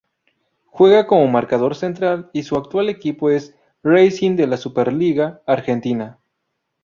Juega como marcador central y su actual equipo es Racing de la Superliga Argentina.